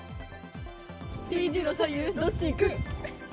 丁字路左右どっち行く？